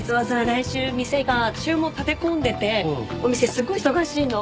来週店が注文立て込んでてお店すごい忙しいの。